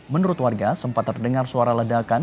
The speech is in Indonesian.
menurut warga sempat terdengar suara ledakan